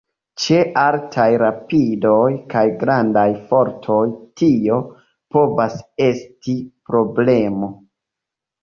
Ĉe altaj rapidoj kaj grandaj fortoj tio povas esti problemo.